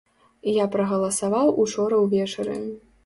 Я прагаласаваў учора ўвечары.